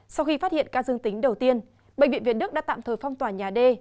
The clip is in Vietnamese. sau khi phát hiện ca dương tính đầu tiên bệnh viện việt đức đã tạm thời phong tỏa nhà d